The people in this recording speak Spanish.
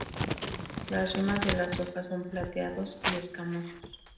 Las yemas de las hojas son plateados y escamosos.